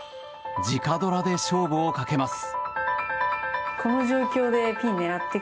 直ドラで勝負をかけます。